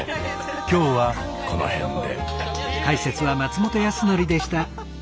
今日はこの辺で。